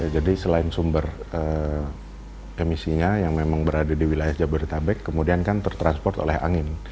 jadi selain sumber emisinya yang memang berada di wilayah jabodetabek kemudian kan tertransport oleh angin